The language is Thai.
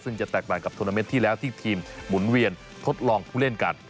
ซึ่งจะแตกต่างกับทวนาเมนต์ที่แล้วที่ทีมหมุนเวียนทดลองผู้เล่นกัน